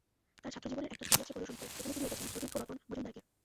তাঁর ছাত্রজীবনের একটা ছবি আছে প্রদর্শনীতে, যেখানে তিনি এঁকেছেন সতীর্থ রতন মজুমদারকে।